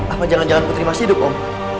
apa jangan jangan putri masih hidup om